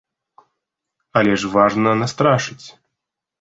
Але ж важна настрашыць!